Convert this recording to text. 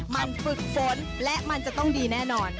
มันฝึกฝนและมันจะต้องดีแน่นอน